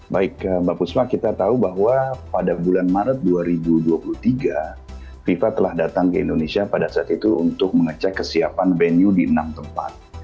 baik mbak pusma kita tahu bahwa pada bulan maret dua ribu dua puluh tiga fifa telah datang ke indonesia pada saat itu untuk mengecek kesiapan venue di enam tempat